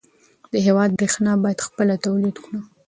د هېواد برېښنا باید خپله تولید کړو.